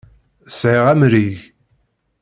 Sɛiɣ amrig.